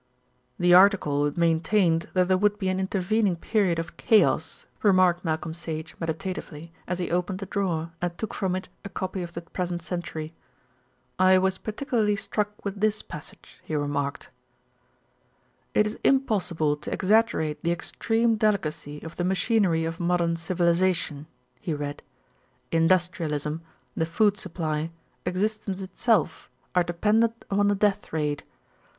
"The article maintained that there would be an intervening period of chaos," remarked Malcolm Sage meditatively, as he opened a drawer and took from it a copy of The Present Century. "I was particularly struck with this passage," he remarked: "'It is impossible to exaggerate the extreme delicacy of the machinery of modern civilization,' he read. 'Industrialism, the food supply, existence itself are dependent upon the death rate.